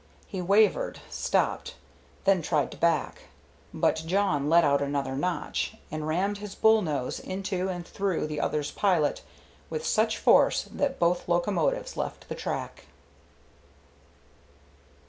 He wavered, stopped, then tried to back. But Jawn let out another notch, and rammed his bull nose into and through the other's pilot with such force that both locomotives left the track.